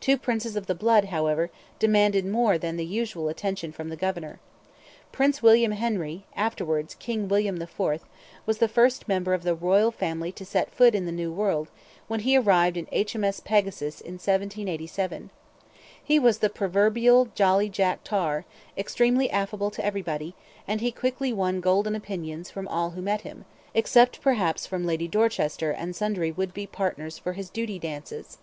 Two Princes of the Blood, however, demanded more than the usual attention from the governor. Prince William Henry, afterwards King William IV, was the first member of the Royal Family to set foot in the New World when he arrived in H.M.S. Pegasus in 1787. He was the proverbial jolly Jack Tar, extremely affable to everybody; and he quickly won golden opinions from all who met him, except perhaps from Lady Dorchester and sundry would be partners for his duty dances.